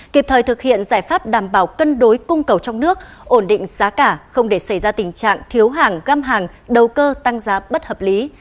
kịp thời thực hiện giải pháp đảm bảo cân đối cung cầu trong nước ổn định giá cả không để xảy ra tình trạng thiếu hàng găm hàng đầu cơ tăng giá bất hợp lý